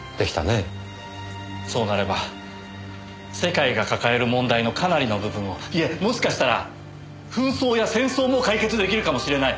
そうなれば世界が抱える問題のかなりの部分をいえもしかしたら紛争や戦争も解決できるかもしれない。